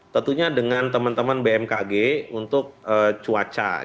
tentunya dengan teman teman bmkg untuk cuaca